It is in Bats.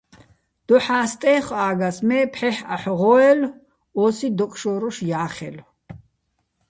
დოჰ̦ა სტე́ხო̆ აგას, მე ფჰ̦ეჰ̦ აჰ̦ოჸ ღო́ელო̆, ო́სი დოკშო́რუშ ჲა́ხელო̆.